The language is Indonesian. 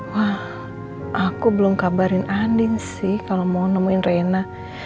wah aku belum kabarin andin sih kalau mau nemuin reina